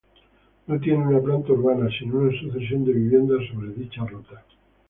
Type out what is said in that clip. No tiene una planta urbana sino una sucesión de viviendas sobre dicha ruta.